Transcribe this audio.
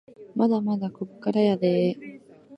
まだまだこっからやでぇ